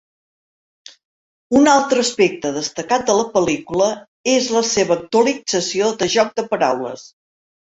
Un altre aspecte destacat de la pel·lícula és la seva utilització de jocs de paraules.